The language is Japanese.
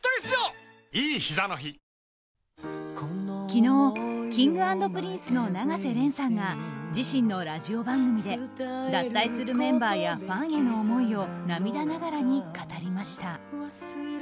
昨日Ｋｉｎｇ＆Ｐｒｉｎｃｅの永瀬廉さんが自身のラジオ番組で脱退するメンバーやファンへの思いを涙ながらに語りました。